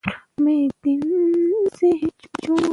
عدالت د ژوند په ټولو برخو کې پکار دی.